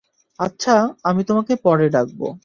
আচ্ছা, আমি তোমাকে পরে ডাকব।